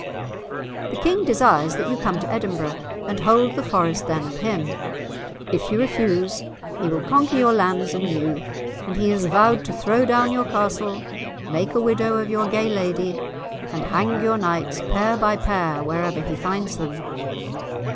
"The King desires that you come to Edinburgh, and hold the Forest then of him. If you refuse, he will conquer your lands and you, and he has vowed to throw down your castle, make a widow of your gay lady, and hang your knights pair by pair wherever he finds them."